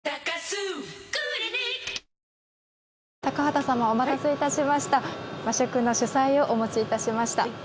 高畑様お待たせいたしました。